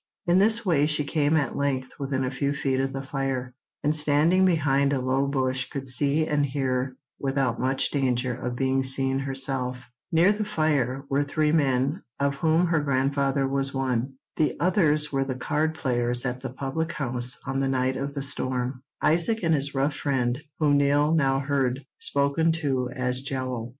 In this way she came at length within a few feet of the fire, and standing behind a low bush could see and hear without much danger of being seen herself. [Illustration: After a few moments she moved nearer to the group] Near the fire were three men, of whom her grandfather was one; the others were the card players at the public house on the night of the storm—Isaac and his rough friend, whom Nell now heard spoken to as Jowl.